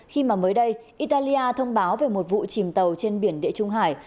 khi mà mới đây italia thông báo về một vụ chìm tàu trên biển địa trung hải